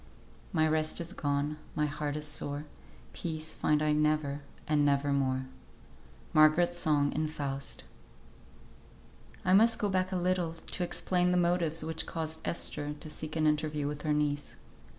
"My rest is gone, My heart is sore, Peace find I never, And never more." MARGARET'S SONG IN "FAUST." I must go back a little to explain the motives which caused Esther to seek an interview with her niece.